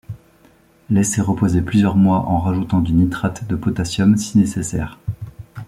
Laisser reposer plusieurs mois en rajoutant du nitrate de potassium si nécessaire.